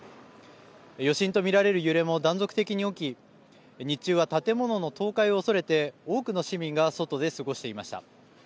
余震と見られる揺れも断続的に起き日中は建物の倒壊を恐れて多くの市民が外で過ごしていました。